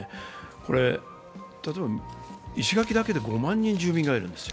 これ、例えば石垣だけで５万人住民がいるんですよ。